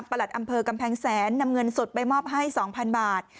อำเภอกำแพงแสนนำเงินสดไปมอบให้๒๐๐๐บาท